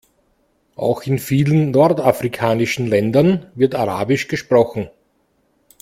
Auch in vielen nordafrikanischen Ländern wird arabisch gesprochen.